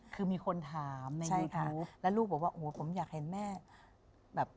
คือมีคนถามในหูแล้วลูกบอกว่าโอ้โหผมอยากเห็นแม่แบบ